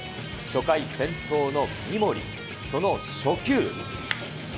初回、先頭の三森、その初球。